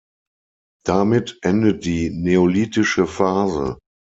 Damit endet die neolithische Phase.